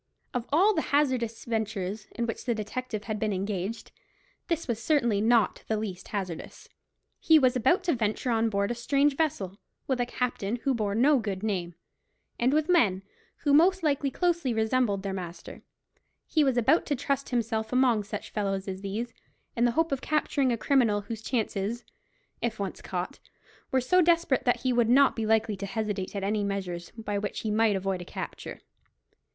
Of all the hazardous ventures in which the detective had been engaged, this was certainly not the least hazardous. He was about to venture on board a strange vessel, with a captain who bore no good name, and with men who most likely closely resembled their master; he was about to trust himself among such fellows as these, in the hope of capturing a criminal whose chances, if once caught, were so desperate that he would not be likely to hesitate at any measures by which he might avoid a capture.